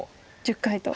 １０回と。